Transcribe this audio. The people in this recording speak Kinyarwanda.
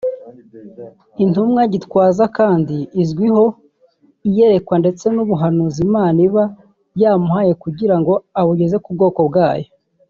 Intumwa Gitwaza kandi azwiho iyerekwa ndetse n’ubuhanuzi Imana iba yamuhaye kugira ngo abugeze ku bwoko bwayo